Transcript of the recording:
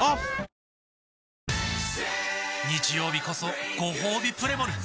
あ日曜日こそごほうびプレモル！